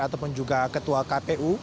ataupun juga ketua kpu